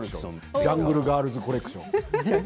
ジャングルガールズコレクション。